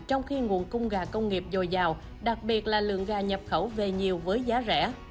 trong khi nguồn cung gà công nghiệp dồi dào đặc biệt là lượng gà nhập khẩu về nhiều với giá rẻ